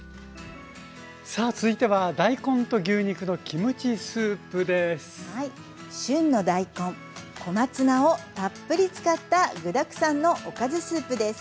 さあ続いてははい旬の大根小松菜をたっぷり使った具だくさんのおかずスープです。